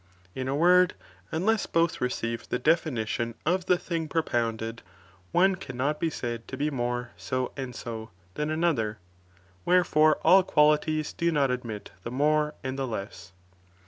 In a word, unless both receive the definition of the thing propounded, one cannot be said to be more so and so, than another, wherefore all qualities do not admit the more and the less.